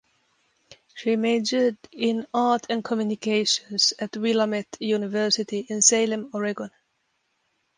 She majored in art and communications at Willamette University in Salem, Oregon.